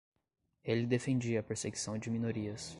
Ele defendia a perseguição de minorias